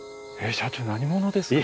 社長何者ですか？